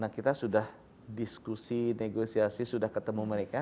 kita sudah diskusi negosiasi sudah ketemu mereka